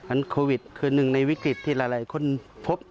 เพราะว่าโควิดคือหนึ่งในวิกฤตที่หลายคนพบ